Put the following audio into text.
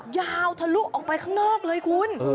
ทะลุออกไปข้างนอกเลยคุณ